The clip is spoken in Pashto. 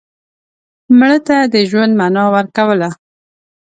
مړه ته د ژوند معنا ورکوله